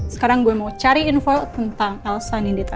sekarang gue mau cari info tentang elsa nindita